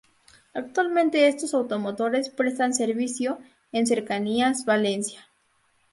Actualmente estos automotores prestan servicio en Cercanías Valencia.